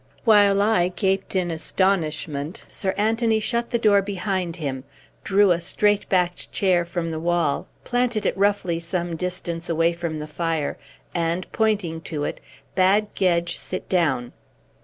While I gaped in astonishment, Sir Anthony shut the door behind him, drew a straight backed chair from the wall, planted it roughly some distance away from the fire, and, pointing to it, bade Gedge sit down.